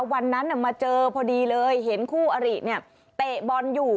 วันนั้นมาเจอพอดีเลยเห็นคู่อริเนี่ยเตะบอลอยู่